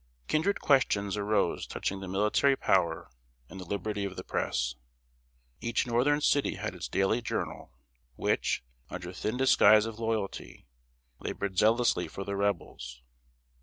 ] Kindred questions arose touching the Military Power and the Liberty of the Press. Each northern city had its daily journal, which, under thin disguise of loyalty, labored zealously for the Rebels.